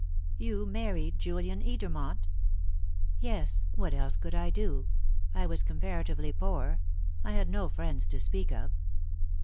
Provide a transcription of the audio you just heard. "You married Julian Edermont?" "Yes; what else could I do? I was comparatively poor; I had no friends to speak of.